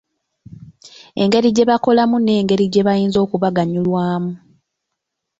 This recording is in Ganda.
Engeri gye bakolamu n'engeri gye bayinza okubaganyulwamu.